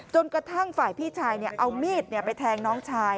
จนกระทั่งฝ่ายพี่ชายเอามีดไปแทงน้องชาย